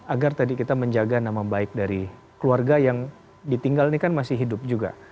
agar tadi kita menjaga nama baik dari keluarga yang ditinggal ini kan masih hidup juga